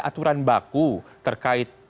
aturan baku terkait